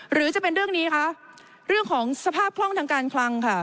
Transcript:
หรือจะเป็นเรื่องนี้คะเรื่องของสภาพคล่องทางการคลังค่ะ